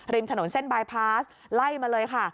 ริมถนนเส้นบายพาสไล่มาเลยค่ะ